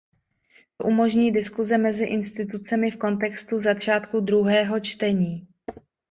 To umožní diskuse mezi institucemi v kontextu začátku druhého čtení.